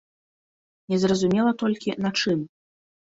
Незразумела толькі, на чым.